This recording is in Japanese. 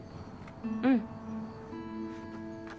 うん。